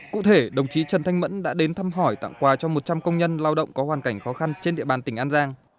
cụ thể đồng chí trần thanh mẫn đã đến thăm hỏi tặng quà cho một trăm linh công nhân lao động có hoàn cảnh khó khăn trên địa bàn tỉnh an giang